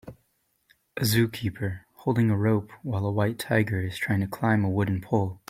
A zookeeper holding a rope while a white tiger is trying to climb a wooden pole.